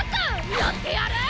やってやる！